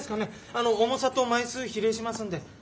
あの重さと枚数比例しますんで。